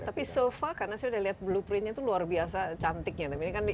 tapi so far karena saya udah lihat blueprintnya itu luar biasa cantiknya